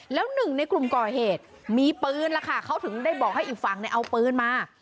แล้วหนึ่งในกลุ่มก่อเหตุมีปืนแล้วค่ะเขาถึงได้บอกให้อีกฝั่งเอาปืนมา